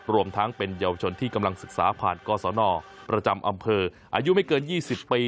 รวมทั้งเป็นเยาวชนที่กำลังศึกษาผ่านกศนประจำอำเภออายุไม่เกิน๒๐ปี